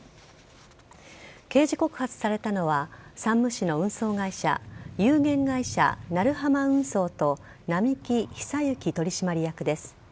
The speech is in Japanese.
刑事告発されたのは山武市の運送会社有限会社鳴浜運送と並木久幸取締役です。